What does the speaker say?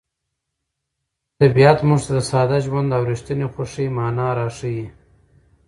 طبیعت موږ ته د ساده ژوند او رښتیني خوښۍ مانا راښيي.